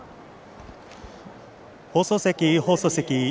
放送席、放送席。